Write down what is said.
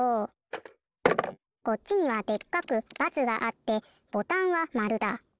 こっちにはでっかく×があってボタンは○だ。